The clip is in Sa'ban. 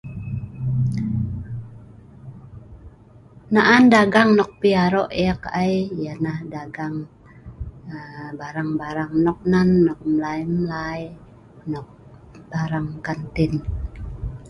na'an dagang nok pi arok ek ai ialah dagang aa barang barang nok nan nok mlai mlai nok barang kantin